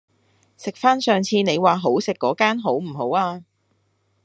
食返上次你話好食嗰間好唔好啊